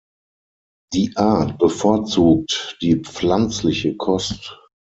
Die Art bevorzugt die pflanzliche Kost.